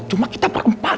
cuma kita berempat